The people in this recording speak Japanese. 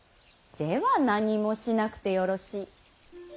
では何もしなくてよろしい。